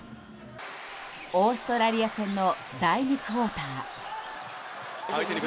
オーストラリア戦の第２クオーター。